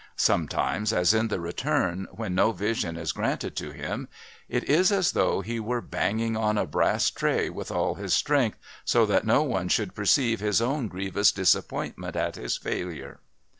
Sometimes, as in The Return, when no vision is granted to him, it is as though he were banging on a brass tray with all his strength so that no one should perceive his own grievous disappointment at his failure.